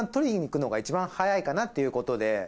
かなっていうことで。